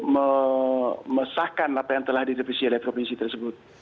memesahkan apa yang telah direvisi oleh provinsi tersebut